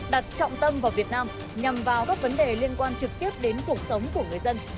đặt trọng tâm vào việt nam nhằm vào các vấn đề liên quan trực tiếp đến cuộc sống của người dân